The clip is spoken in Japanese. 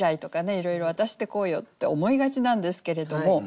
いろいろ「私ってこうよ」って思いがちなんですけれども